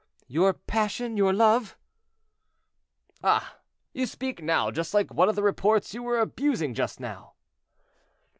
"Your passion—your love." "Ah! you speak now just like one of the reports you were abusing just now."